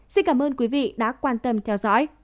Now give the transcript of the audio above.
xin cảm ơn quý vị đã quan tâm theo dõi